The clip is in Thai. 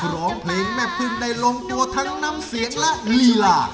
ร้องเพลงแม่พลึงในรมตัวทั้งนำเสียงและลีล่า